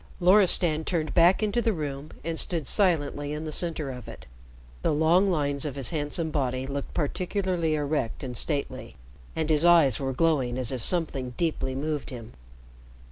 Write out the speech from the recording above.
Loristan turned back into the room and stood silently in the center of it. The long lines of his handsome body looked particularly erect and stately, and his eyes were glowing as if something deeply moved him.